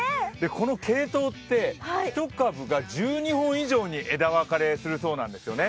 このケイトウって１株が１２本以上に枝分かれするそうなんですよね。